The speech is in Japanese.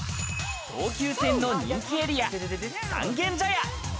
東急線の人気エリア、三軒茶屋。